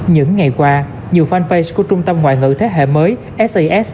những ngày qua nhiều fanpage của trung tâm ngoại ngữ thế hệ mới sas